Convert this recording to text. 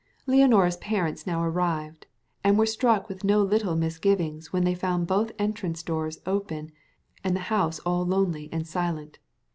Leonora's parents now arrived, and were struck with no little misgivings when they found both entrance doors open and the house all lonely and silent.